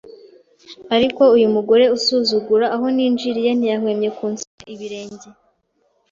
ariko uyu mugore usuzugura, aho ninjiriye ntiyahwemye kunsoma ibirenge.